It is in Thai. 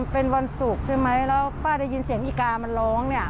เป็นวันศุกร์ใช่ไหมแล้วป้าได้ยินเสียงอีกามันร้องเนี่ย